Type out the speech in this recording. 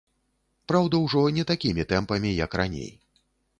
Праўда, ужо не такімі тэмпамі, як раней.